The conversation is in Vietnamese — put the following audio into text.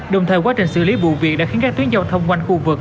đồng thời quá trình xử lý vụ việc đã khiến các tuyến giao thông quanh khu vực